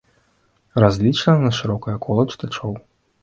Разлічана на шырокае кола чытачоў.